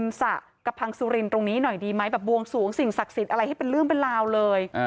สระกระพังสุรินตรงนี้หน่อยดีไหมแบบบวงสวงสิ่งศักดิ์สิทธิ์อะไรให้เป็นเรื่องเป็นราวเลย